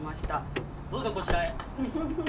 どうぞ、こちらへ。